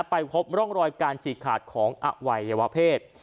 ไปพบร่องรอยการฉีกขาดของอวัยวะเพศ